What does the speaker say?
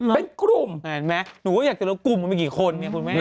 เห็นมั้ยอยากจะรู้กรุ่มมีกี่คน